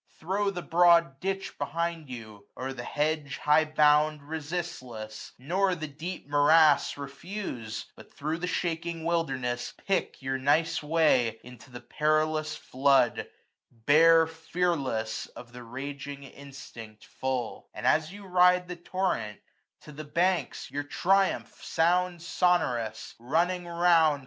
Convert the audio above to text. Throw the broad ditch behind you ; o'er the hedge 475 High bound, resistless ; nor the deep morass Refuse; but thro' the shaking wilderness Pick your nice way ; into the perilous flood Bear fearless, of the raging instinct full ; And as you ride the torrent, to the banks 480 Your triumph sound sonorous, running round.